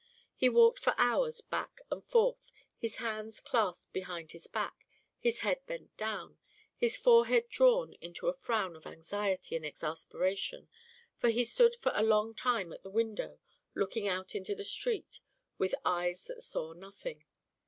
He walked for hours back and forth, his hands clasped behind his back, his head bent down, his forehead drawn into a frown of anxiety and exasperation, or he stood for a long time at the window looking out into the street with eyes that saw nothing.